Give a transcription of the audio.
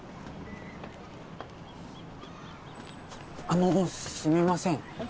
あのすみません。